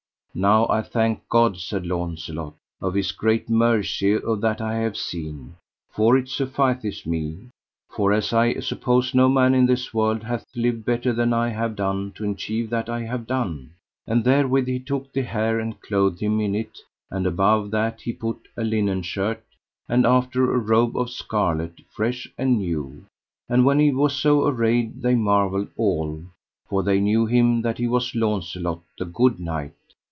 Now I thank God, said Launcelot, of His great mercy of that I have seen, for it sufficeth me; for as I suppose no man in this world hath lived better than I have done to enchieve that I have done. And therewith he took the hair and clothed him in it, and above that he put a linen shirt, and after a robe of scarlet, fresh and new. And when he was so arrayed they marvelled all, for they knew him that he was Launcelot, the good knight.